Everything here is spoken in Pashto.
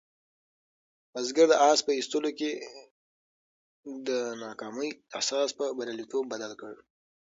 بزګر د آس په ایستلو کې د ناکامۍ احساس په بریالیتوب بدل کړ.